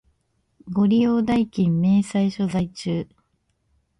ご利用代金明細書在中